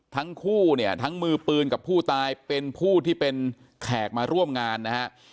ทั้งคู่เนี่ยทั้งมือปืนกับผู้ตายเป็นผู้ที่เป็นแขกมาร่วมงานนะฮะ